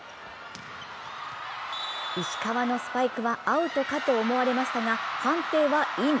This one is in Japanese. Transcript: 石川のスパイクはアウトかと思われましたが、判定はイン。